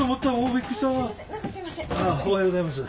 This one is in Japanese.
おはようございます。